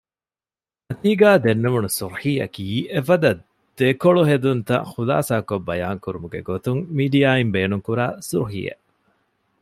މަތީގައި ދެންނެވުނު ސުރުޚީއަކީ އެފަދަ ދެކޮޅުހެދުންތައް ޚުލާޞާކޮށް ބަޔާން ކުރުމުގެ ގޮތުން މީޑިއާއިން ބޭނުންކުރާ ސުރުޚީއެއް